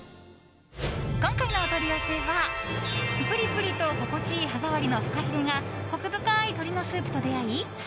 今回のお取り寄せはプリプリと心地いい歯ざわりのフカヒレがコク深い鶏のスープと出会い